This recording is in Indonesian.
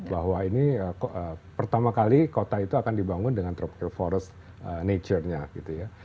bahwa ini pertama kali kota itu akan dibangun dengan tropil forest nature nya gitu ya